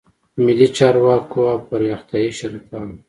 ملي چارواکو او پراختیایي شریکانو